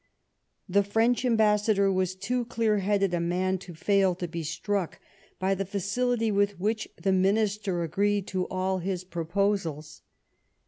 The French ambassador was too clear headed a man to fail to be struck by the facility with which the Minister agreed to all his proposals.